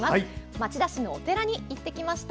町田市のお寺に行ってきました。